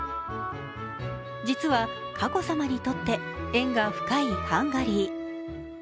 実は佳子さまにとって縁が深いハンガリー。